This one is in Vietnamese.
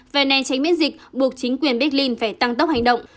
và nền tránh biến dịch buộc chính quyền berlin phải tăng tốc hành động